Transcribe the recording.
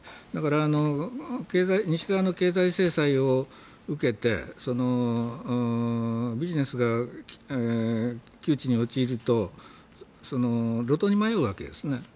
だから、西側の経済制裁を受けてビジネスが窮地に陥ると路頭に迷うわけですね。